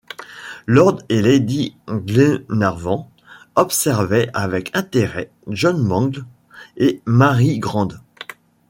Lord et lady Glenarvan observaient avec intérêt John Mangles et Mary Grant.